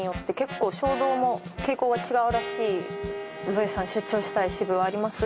ゾエさん出張したい支部はあります？